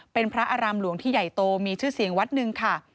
เป็นพระอารามหลวงที่ใหญ่โตมีชื่อเสียงวัดหนึ่งค่ะ